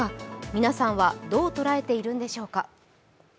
皆さんはどう捉えているんでしょうか？